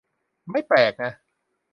ไม่แปลกน่ะ